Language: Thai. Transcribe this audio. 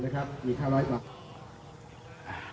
กระทุกแดงเชื่อมหยุ่มนะครับมี๕๐๐กว่า